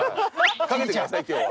掛けてください今日は。